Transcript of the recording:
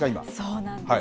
そうなんです。